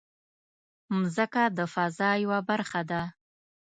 مځکه د فضا یوه برخه ده.